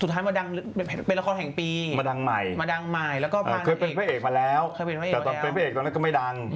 แต่ตอนเป็นพระเอกตอนนั้นก็ไม่ดัง